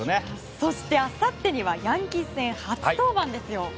そして、あさってにはヤンキース戦初登板ですよ。